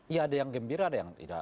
ya ada yang gembira ada yang tidak